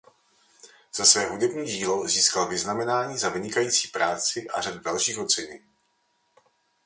Za své hudební dílo získal "Vyznamenání Za vynikající práci" a řadu dalších ocenění.